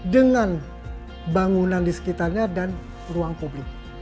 dengan bangunan di sekitarnya dan ruang publik